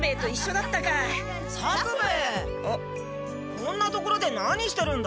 こんな所で何してるんだ？